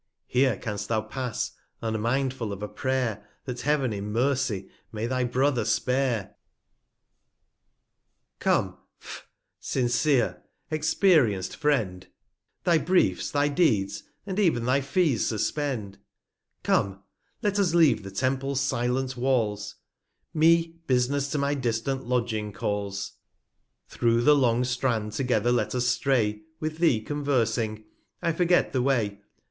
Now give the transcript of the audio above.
350 Here canst thou pass, unmindful of a Pray'r, That Heav'n in Mercy may thy Brother spare ? Come, F* * sincere, experienc'd Friend, 28 TRIVIA Thy Briefs, thy Deeds, and ev'n thy Fees suspend ; Come, let us leave the Temples silent Walls, 355 Me Bus'ness to my distant Lodging calls: Through the long Strand together let us stray, With thee conversing, I forget the Way.